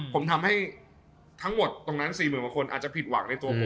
ผมทำให้ทั้งหมดตรงนั้น๔๐๐๐กว่าคนอาจจะผิดหวังในตัวผม